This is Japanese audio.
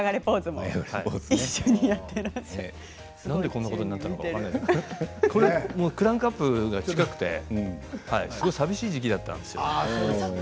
なんでこんなことになったのか、分かんないんですけどクランクアップが近くてすごい寂しい時期だったんですよ。